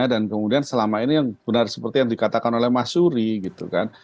dan kemudian selama ini benar seperti yang dikatakan oleh mas suri gitu kan